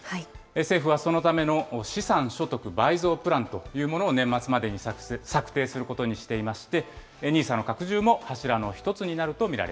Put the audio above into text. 政府はそのための資産所得倍増プランというものを年末までに策定することにしていまして、ＮＩＳＡの拡充も柱の一つになると見ら